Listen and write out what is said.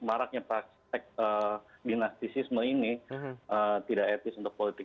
maraknya praktek dinastisisme ini tidak etis untuk politik